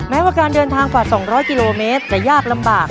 แม้ว่าการเดินทางกว่า๒๐๐กิโลเมตรจะยากลำบาก